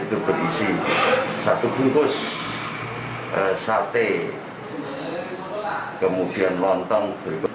itu berisi satu bungkus sate kemudian lontong